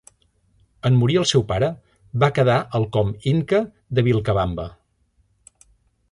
En morir el seu pare, va quedar el com Inca de Vilcabamba.